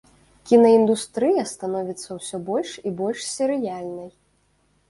Кінаіндустрыя становіцца ўсе больш і больш серыяльнай.